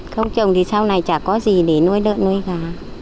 không trồng thì sau này chả có gì để nuôi đợt nuôi gà